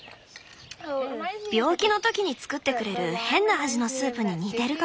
病気の時に作ってくれる変な味のスープに似てるかも。